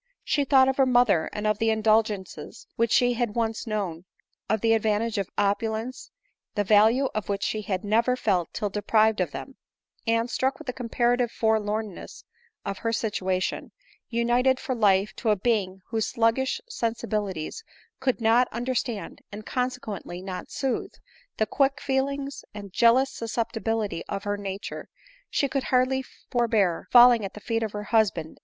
She thought of her mother, of the indulgences which she had once known, of the advantages of opulence, the value of which she bad never felt till deprived of them ; and, struck with the comparative forlornness of her situation united for life to a being whose sluggish sensibilities could not understand, and consequently not sooth, the quick feelings and jealous susceptibility of her nature— she could hardly forbear falling at the feet of her husband ADELINE MOWBRAY.